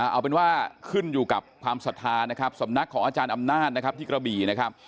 เอาเป็นว่าขึ้นอยู่กับความศรัทธานะครับสำนักของอาจารย์อำนาจนะครับที่กระบี่นะครับ